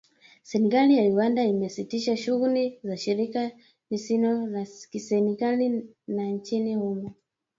Serikali ya Uganda imesitisha shughuli za shirika lisilo la kiserikali la nchini humo